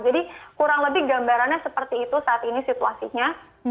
jadi kurang lebih gambarannya seperti itu saat ini situasinya